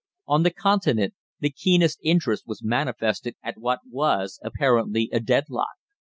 On the Continent the keenest interest was manifested at what was apparently a deadlock.